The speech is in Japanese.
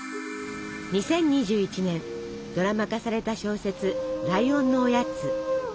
２０２１年ドラマ化された小説「ライオンのおやつ」。